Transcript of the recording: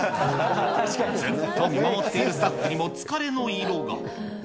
ずっと見守っているスタッフにも疲れの色が。